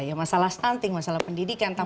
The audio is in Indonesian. ya masalah stunting masalah pendidikan